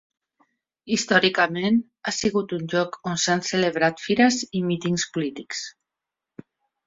Històricament, ha sigut un lloc on s'han celebrat fires i mítings polítics.